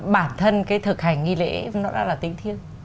bản thân cái thực hành nghi lễ nó đã là tính thiêng